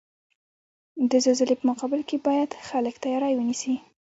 د زلزلزلې په مقابل کې باید خلک تیاری ونیسئ.